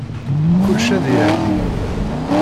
Kullec ad iɛeddi.